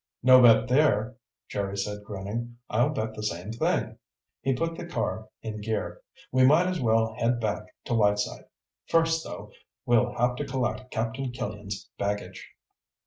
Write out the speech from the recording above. "No bet there," Jerry said, grinning. "I'll bet the same thing." He put the car in gear. "We may as well head back to Whiteside. First, though, we'll have to collect Captain Killian's baggage."